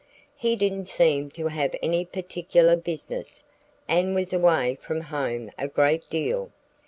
He didn't seem to have any particular business, and was away from home a great deal.